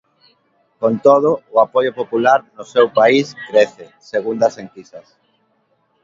Con todo, o apoio popular no seu país crece, segundo as enquisas.